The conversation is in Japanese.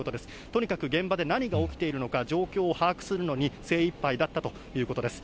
とにかく現場で何が起きているのか、状況を把握するのに精いっぱいだったということです。